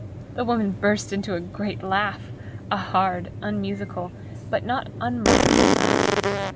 The woman burst into a great laugh, a hard, unmusical, but not unmirthful laugh.